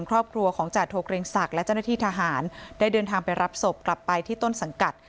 ครอบครัวของจาโทเกรงศักดิ์และเจ้าหน้าที่ทหารได้เดินทางไปรับศพกลับไปที่ต้นสังกัด